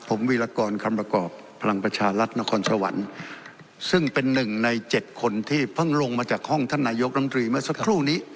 ผมวีรกรคำประกอบพลังประชารัฐนครสวรรค์ซึ่งเป็นหนึ่งในเจ็ดคนที่เพิ่งลงมาจากห้องท่านนายกรัมตรีเมื่อสักครู่นี้